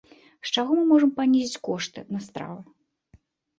З чаго мы можам панізіць кошты на стравы?